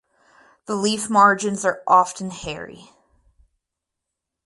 The leaf margins are often hairy.